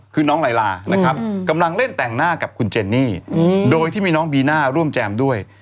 คือน้องลายลานะครับกำลังเล่นแต่งหน้ากับคุณเจนนี่โดยที่มีน้องบีน่าร่วมแจมด้วย